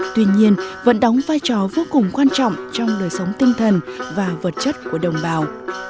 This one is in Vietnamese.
tuy nhiên vẫn đóng vai trò vô cùng quan trọng trong đời sống tinh thần và vật chất của đồng bào